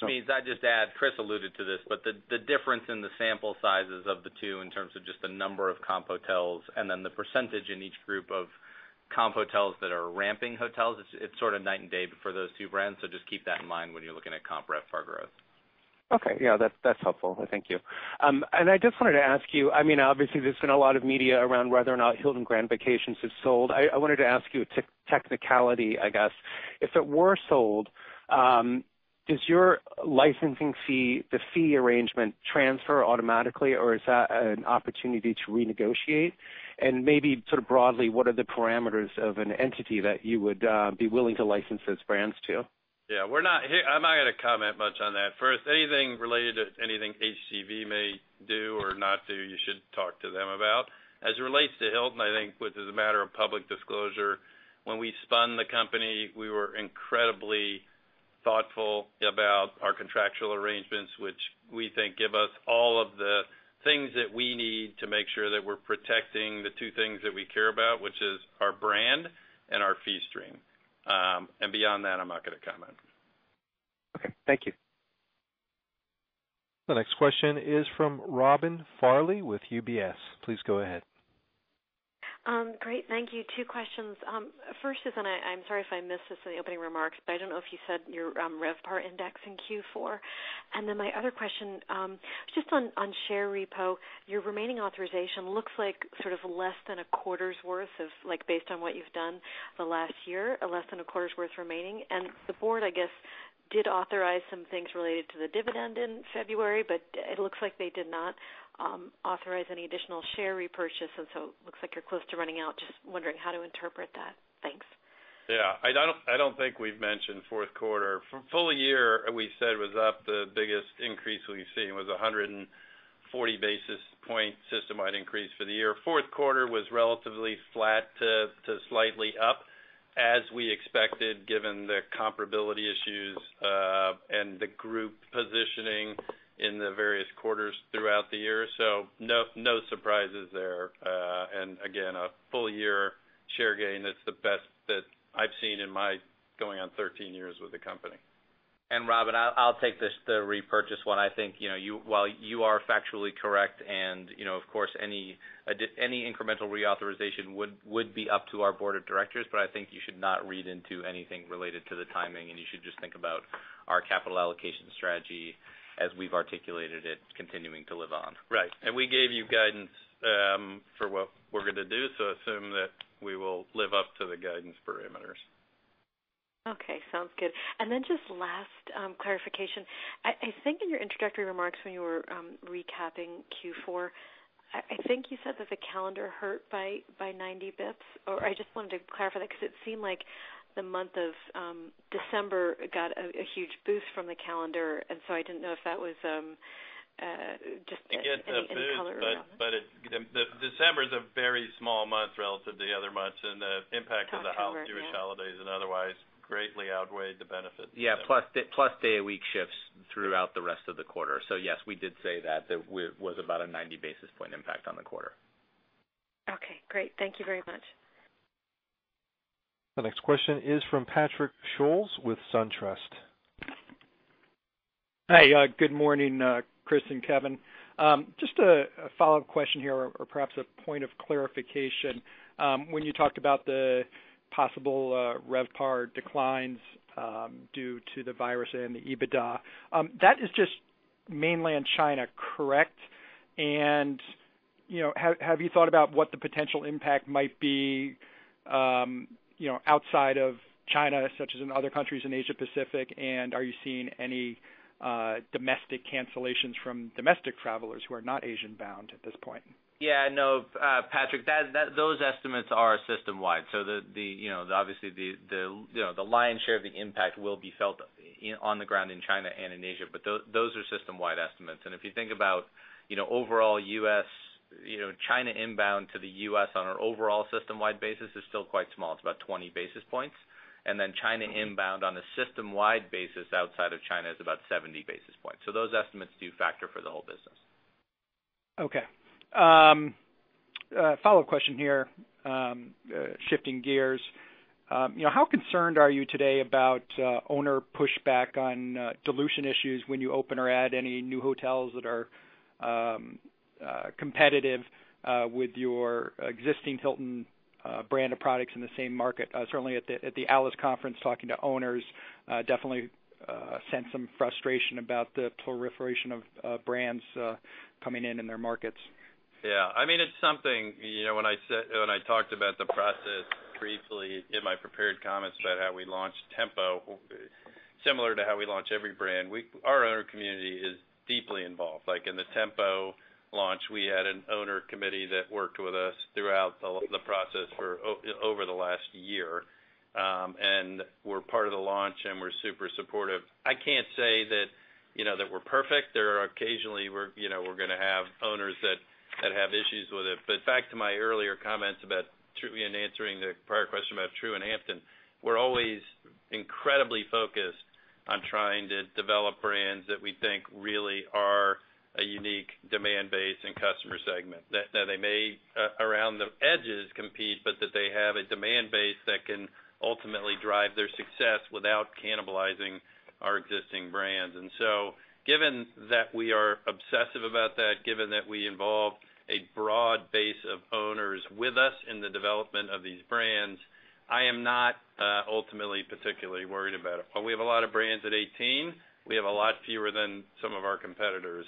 Smedes, I'd just add, Chris alluded to this, but the difference in the sample sizes of the two in terms of just the number of comp hotels and then the percentage in each group of comp hotels that are ramping hotels, it's sort of night and day for those two brands. Just keep that in mind when you're looking at comp RevPAR growth. Okay. Yeah, that's helpful. Thank you. I just wanted to ask you, obviously, there's been a lot of media around whether or not Hilton Grand Vacations has sold. I wanted to ask you a technicality, I guess. If it were sold, does your licensing fee, the fee arrangement, transfer automatically, or is that an opportunity to renegotiate? Maybe sort of broadly, what are the parameters of an entity that you would be willing to license those brands to? Yeah. I'm not going to comment much on that. First, anything related to anything HGV may do or not do, you should talk to them about. As it relates to Hilton, I think, which is a matter of public disclosure, when we spun the company, we were incredibly thoughtful about our contractual arrangements, which we think give us all of the things that we need to make sure that we're protecting the two things that we care about, which is our brand and our fee stream. Beyond that, I'm not going to comment. Okay. Thank you. The next question is from Robin Farley with UBS. Please go ahead. Great. Thank you. Two questions. First is, I'm sorry if I missed this in the opening remarks, but I don't know if you said your RevPAR index in Q4. My other question, just on share repo, your remaining authorization looks like sort of less than a quarter's worth, based on what you've done the last year, less than a quarter's worth remaining. The board, I guess, did authorize some things related to the dividend in February, but it looks like they did not authorize any additional share repurchase, looks like you're close to running out. Just wondering how to interpret that. Thanks. Yeah. I don't think we've mentioned fourth quarter. For full year, we said it was up. The biggest increase we've seen was 140 basis point systemwide increase for the year. Fourth quarter was relatively flat to slightly up, as we expected, given the comparability issues, and the group positioning in the various quarters throughout the year. No surprises there. Again, a full year share gain is the best that I've seen in my going on 13 years with the company. Robin, I'll take this, the repurchase one. I think, while you are factually correct and of course any incremental reauthorization would be up to our board of directors, I think you should not read into anything related to the timing. You should just think about our capital allocation strategy as we've articulated it, continuing to live on. Right. We gave you guidance for what we're going to do, so assume that we will live up to the guidance parameters. Okay, sounds good. Just last clarification. I think in your introductory remarks when you were recapping Q4, I think you said that the calendar hurt by 90 basis points. I just wanted to clarify that because it seemed like the month of December got a huge boost from the calendar, so I didn't know if that was just any color around that. It gets a boost, but December's a very small month relative to the other months, and the impact of the Jewish holidays and otherwise greatly outweighed the benefits. Plus day a week shifts throughout the rest of the quarter. Yes, we did say that. That was about a 90 basis point impact on the quarter. Okay, great. Thank you very much. The next question is from Patrick Scholes with SunTrust. Hi, good morning, Chris and Kevin. Just a follow-up question here, or perhaps a point of clarification. When you talked about the possible RevPAR declines due to the virus and the EBITDA, that is just Mainland China, correct? Have you thought about what the potential impact might be outside of China, such as in other countries in Asia Pacific, and are you seeing any domestic cancellations from domestic travelers who are not Asian bound at this point? Yeah, no, Patrick, those estimates are system-wide. Obviously the lion's share of the impact will be felt on the ground in China and in Asia. Those are system-wide estimates. If you think about overall U.S., China inbound to the U.S. on an overall system-wide basis is still quite small. It's about 20 basis points. China inbound on a system-wide basis outside of China is about 70 basis points. Those estimates do factor for the whole business. Okay. A follow-up question here, shifting gears. How concerned are you today about owner pushback on dilution issues when you open or add any new hotels that are competitive with your existing Hilton brand of products in the same market? Certainly at the ALIS conference, talking to owners, definitely sense some frustration about the proliferation of brands coming in in their markets. Yeah. It's something. When I talked about the process briefly in my prepared comments about how we launched Tempo, similar to how we launch every brand, our owner community is deeply involved. Like in the Tempo launch, we had an owner committee that worked with us throughout the process for over the last year, and were part of the launch and were super supportive. I can't say that we're perfect. Occasionally we're going to have owners that have issues with it. Back to my earlier comments in answering the prior question about Tru and Hampton, we're always incredibly focused on trying to develop brands that we think really are a unique demand base and customer segment. They may, around the edges, compete, but that they have a demand base that can ultimately drive their success without cannibalizing our existing brands. Given that we are obsessive about that, given that we involve a broad base of owners with us in the development of these brands, I am not ultimately particularly worried about it. While we have a lot of brands at 18, we have a lot fewer than some of our competitors.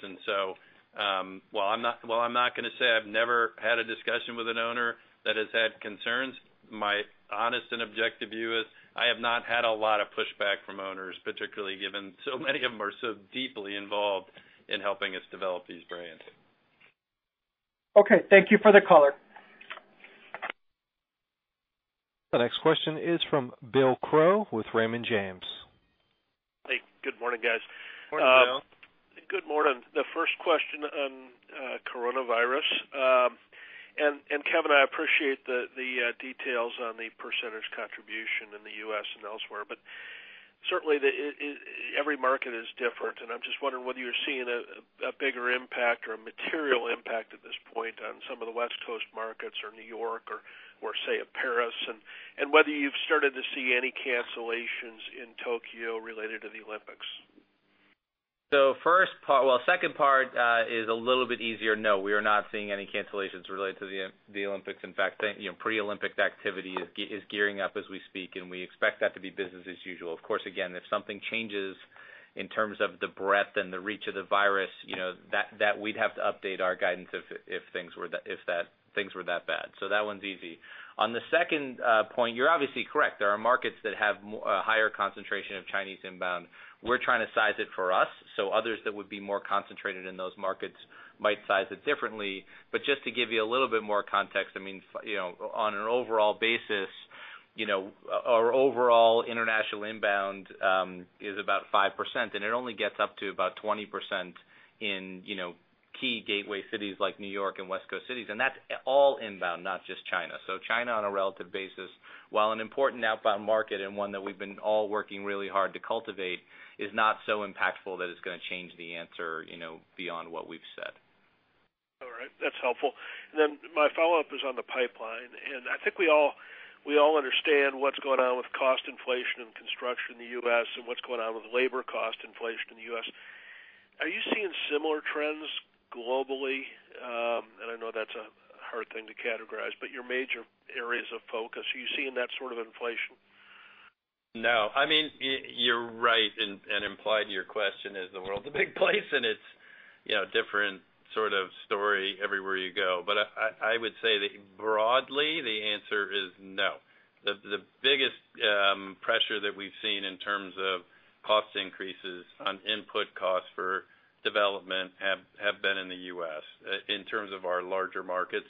While I'm not going to say I've never had a discussion with an owner that has had concerns, my honest and objective view is I have not had a lot of pushback from owners, particularly given so many of them are so deeply involved in helping us develop these brands. Okay. Thank you for the color. The next question is from Bill Crow with Raymond James. Hey, good morning, guys. Morning, Bill. Good morning. The first question on coronavirus. Kevin, I appreciate the details on the percentage contribution in the U.S. and elsewhere. Certainly every market is different. I'm just wondering whether you're seeing a bigger impact or a material impact at this point on some of the West Coast markets or New York or, say, a Paris. Whether you've started to see any cancellations in Tokyo related to the Olympics. Second part is a little bit easier. No, we are not seeing any cancellations related to the Olympics. In fact, pre-Olympic activity is gearing up as we speak, and we expect that to be business as usual. Of course, again, if something changes. In terms of the breadth and the reach of the virus, we'd have to update our guidance if things were that bad. That one's easy. On the second point, you're obviously correct. There are markets that have a higher concentration of Chinese inbound. We're trying to size it for us, others that would be more concentrated in those markets might size it differently. Just to give you a little bit more context, on an overall basis, our overall international inbound is about 5%, and it only gets up to about 20% in key gateway cities like New York and West Coast cities. That's all inbound, not just China. China, on a relative basis, while an important outbound market and one that we've been all working really hard to cultivate, is not so impactful that it's going to change the answer beyond what we've said. All right. That's helpful. My follow-up is on the pipeline, I think we all understand what's going on with cost inflation and construction in the U.S. and what's going on with labor cost inflation in the U.S. Are you seeing similar trends globally? I know that's a hard thing to categorize, but your major areas of focus, are you seeing that sort of inflation? No. You're right, and implied in your question is the world's a big place, and it's a different sort of story everywhere you go. I would say that broadly, the answer is no. The biggest pressure that we've seen in terms of cost increases on input costs for development have been in the U.S., in terms of our larger markets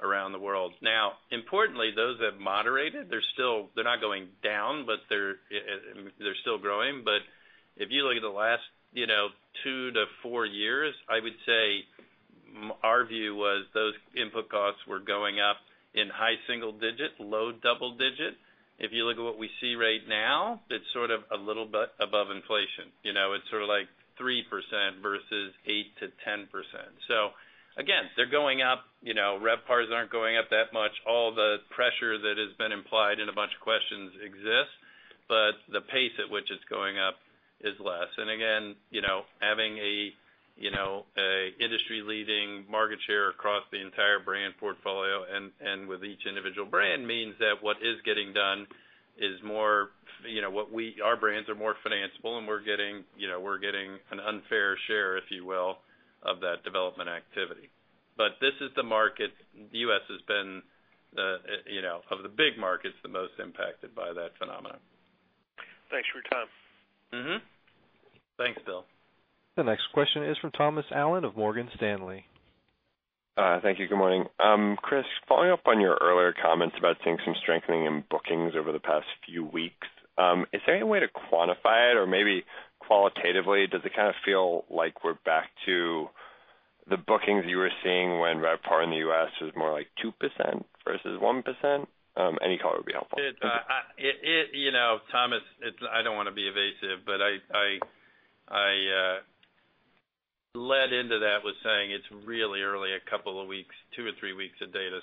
around the world. Now, importantly, those have moderated. They're not going down, but they're still growing. If you look at the last two to four years, I would say our view was those input costs were going up in high single digits, low double digits. If you look at what we see right now, it's sort of a little bit above inflation. It's sort of 3% versus 8%-10%. Again, they're going up. RevPARs aren't going up that much. All the pressure that has been implied in a bunch of questions exists, the pace at which it's going up is less. Again, having an industry-leading market share across the entire brand portfolio and with each individual brand means that what is getting done, our brands are more financeable, and we're getting an unfair share, if you will, of that development activity. This is the market. The U.S. has been, of the big markets, the most impacted by that phenomenon. Thanks for your time. Mm-hmm. Thanks, Bill. The next question is from Thomas Allen of Morgan Stanley. Thank you. Good morning. Chris, following up on your earlier comments about seeing some strengthening in bookings over the past few weeks, is there any way to quantify it or maybe qualitatively, does it kind of feel like we're back to the bookings you were seeing when RevPAR in the U.S. was more like 2% versus 1%? Any color would be helpful. Thomas, I don't want to be evasive, but I led into that with saying it's really early, a couple of weeks, two or three weeks of data.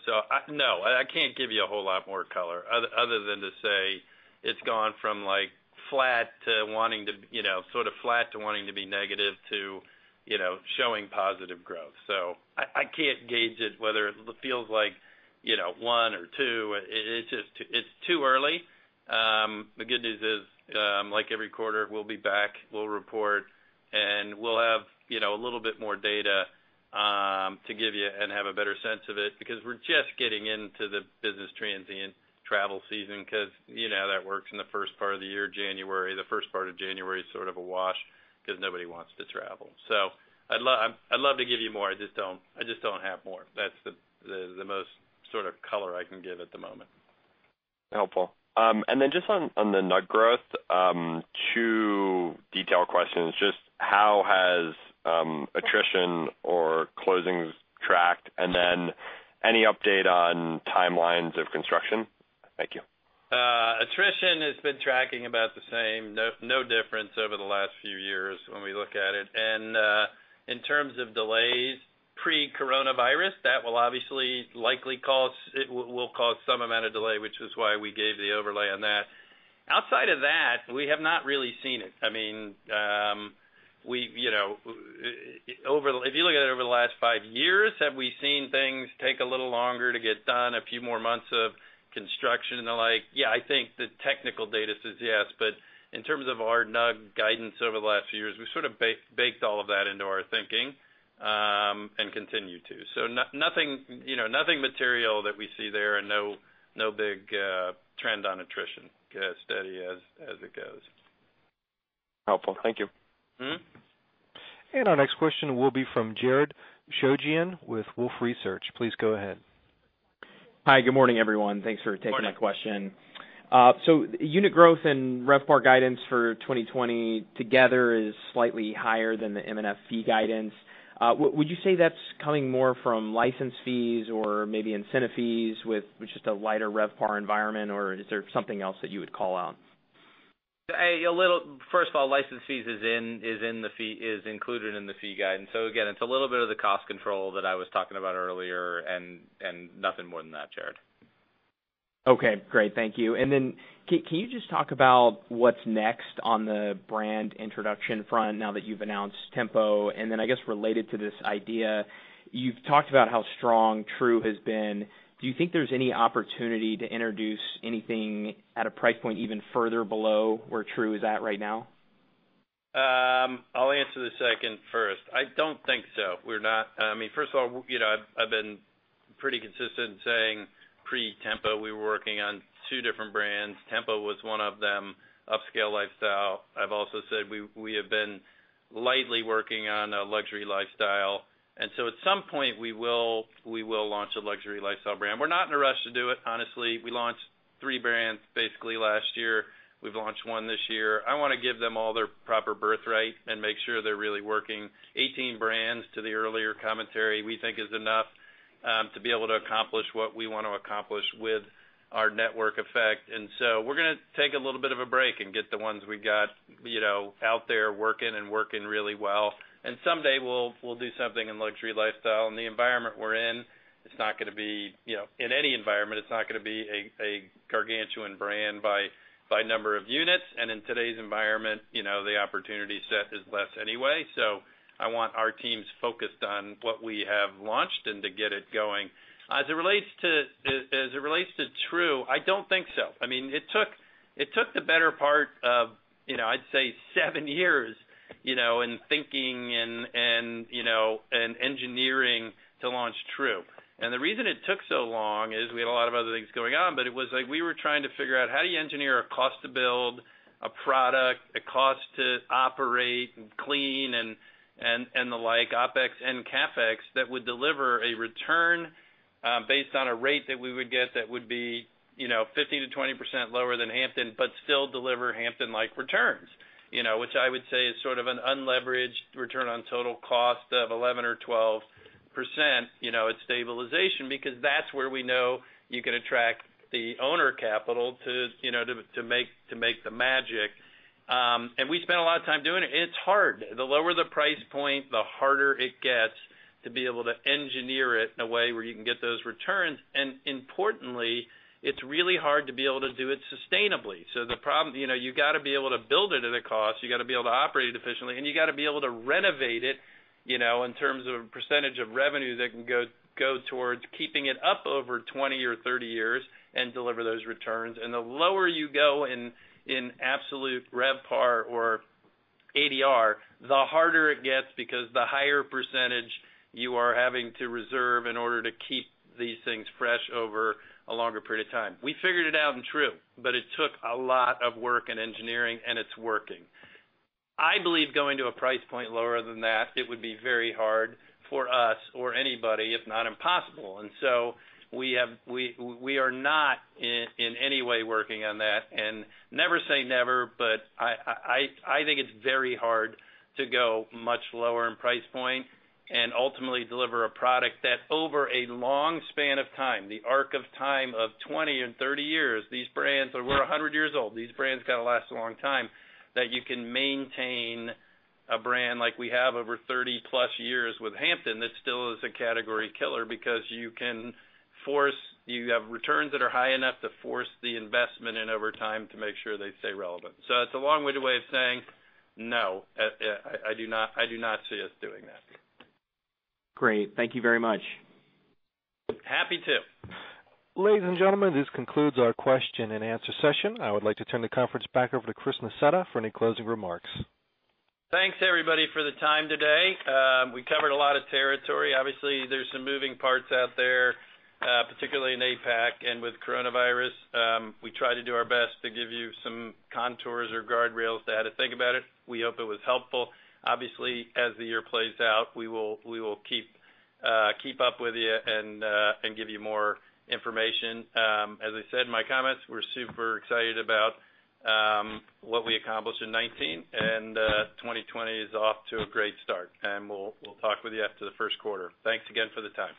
No, I can't give you a whole lot more color other than to say it's gone from sort of flat to wanting to be negative, to showing positive growth. I can't gauge it, whether it feels like one or two. It's too early. The good news is, like every quarter, we'll be back, we'll report, and we'll have a little bit more data to give you and have a better sense of it because we're just getting into the business transient travel season because you know how that works in the first part of the year, January. The first part of January is sort of a wash because nobody wants to travel. I'd love to give you more. I just don't have more. That's the most sort of color I can give at the moment. Helpful. Just on the NUG growth, two detail questions. Just how has attrition or closings tracked, and then any update on timelines of construction? Thank you. Attrition has been tracking about the same. No difference over the last few years when we look at it. In terms of delays pre-coronavirus, that will obviously likely will cause some amount of delay, which was why we gave the overlay on that. Outside of that, we have not really seen it. If you look at it over the last five years, have we seen things take a little longer to get done, a few more months of construction and the like? Yeah, I think the technical data says yes, in terms of our NUG guidance over the last few years, we've sort of baked all of that into our thinking, and continue to. Nothing material that we see there, and no big trend on attrition. Steady as it goes. Helpful. Thank you. Our next question will be from Jared Shojaian with Wolfe Research. Please go ahead. Hi. Good morning, everyone. Thanks for taking my question. Morning. Unit growth and RevPAR guidance for 2020 together is slightly higher than the M&F fee guidance. Would you say that's coming more from license fees or maybe incentive fees with just a lighter RevPAR environment, or is there something else that you would call out? First of all, license fees is included in the fee guide. Again, it's a little bit of the cost control that I was talking about earlier, and nothing more than that, Jared. Okay, great. Thank you. Can you just talk about what's next on the brand introduction front now that you've announced Tempo? I guess related to this idea, you've talked about how strong Tru has been. Do you think there's any opportunity to introduce anything at a price point even further below where Tru is at right now? I'll answer the second first. I don't think so. I've been pretty consistent in saying pre-Tempo, we were working on two different brands. Tempo was one of them, upscale lifestyle. I've also said we have been lightly working on a luxury lifestyle. At some point, we will launch a luxury lifestyle brand. We're not in a rush to do it, honestly. We launched three brands, basically last year. We've launched one this year. I want to give them all their proper birthright and make sure they're really working. 18 brands, to the earlier commentary, we think is enough to be able to accomplish what we want to accomplish with our network effect. We're going to take a little bit of a break and get the ones we got out there working and working really well. Someday, we'll do something in luxury lifestyle. In the environment we're in any environment, it's not going to be a gargantuan brand by number of units. In today's environment, the opportunity set is less anyway. I want our teams focused on what we have launched and to get it going. As it relates to Tru, I don't think so. It took the better part of, I'd say seven years, in thinking and engineering to launch Tru. The reason it took so long is we had a lot of other things going on, but it was like we were trying to figure out how do you engineer a cost to build a product, a cost to operate and clean and the like, OpEx and CapEx, that would deliver a return based on a rate that we would get that would be 15%-20% lower than Hampton, but still deliver Hampton-like returns. Which I would say is sort of an unleveraged return on total cost of 11% or 12% at stabilization, because that's where we know you can attract the owner capital to make the magic. We spent a lot of time doing it. It's hard. The lower the price point, the harder it gets to be able to engineer it in a way where you can get those returns. Importantly, it's really hard to be able to do it sustainably. The problem, you got to be able to build it at a cost, you got to be able to operate it efficiently, and you got to be able to renovate it, in terms of percentage of revenue that can go towards keeping it up over 20 or 30 years and deliver those returns. The lower you go in absolute RevPAR or ADR, the harder it gets because the higher percentage you are having to reserve in order to keep these things fresh over a longer period of time. We figured it out in Tru, but it took a lot of work and engineering, and it's working. I believe going to a price point lower than that, it would be very hard for us or anybody, if not impossible. So we are not in any way working on that. Never say never, but I think it's very hard to go much lower in price point and ultimately deliver a product that over a long span of time, the arc of time of 20 and 30 years, we're 100 years old. These brands got to last a long time, that you can maintain a brand like we have over 30+ years with Hampton that still is a category killer because you have returns that are high enough to force the investment in over time to make sure they stay relevant. It's a long-winded way of saying no. I do not see us doing that. Great. Thank you very much. Happy to. Ladies and gentlemen, this concludes our question and answer session. I would like to turn the conference back over to Chris Nassetta for any closing remarks. Thanks everybody for the time today. We covered a lot of territory. Obviously, there's some moving parts out there, particularly in APAC and with coronavirus. We try to do our best to give you some contours or guardrails to how to think about it. We hope it was helpful. Obviously, as the year plays out, we will keep up with you and give you more information. As I said in my comments, we're super excited about what we accomplished in 2019. 2020 is off to a great start. We'll talk with you after the first quarter. Thanks again for the time.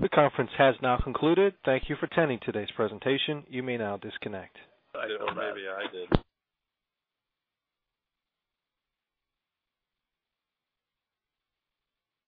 The conference has now concluded. Thank you for attending today's presentation. You may now disconnect.